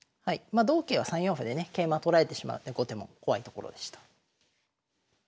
まあ同桂は３四歩でね桂馬取られてしまうので後手も怖いところでした。